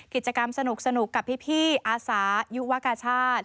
กิจกรรมสนุกกับพี่อาสายุวกาชาติ